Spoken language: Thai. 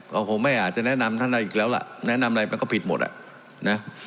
ก็คงไม่อาจจะแนะนำท่านอะไรอีกแล้วล่ะแนะนำอะไรมันก็ผิดหมดอ่ะนะ